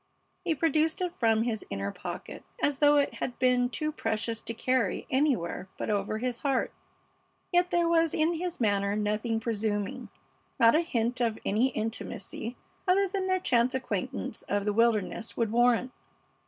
He produced it from his inner pocket, as though it had been too precious to carry anywhere but over his heart, yet there was in his manner nothing presuming, not a hint of any intimacy other than their chance acquaintance of the wilderness would warrant.